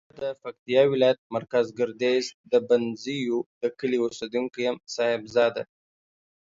زه د پکتیاولایت مرکز ګردیز د بنزیو دکلی اوسیدونکی یم صاحب زاده